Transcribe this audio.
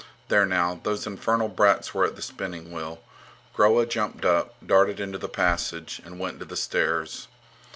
There now, those infernal brats were at the spinning wheel. Groa jumped up, darted into the passage, and went to the stairs.